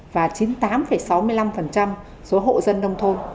và chín mươi tám sáu mươi năm số hộ dân nông thôn